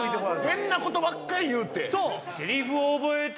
変なことばっかり言うて。